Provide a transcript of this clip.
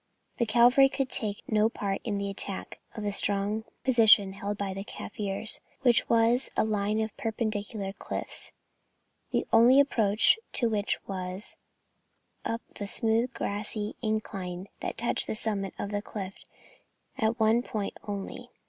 The Cavalry could take no part in the attack of the strong position held by the Kaffirs, which was a line of perpendicular cliffs, the only approach to which was up the smooth grassy incline that touched the summit of the cliff at one point only.